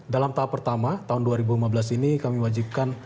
dalam tahap pertama tahun dua ribu lima belas ini kami wajibkan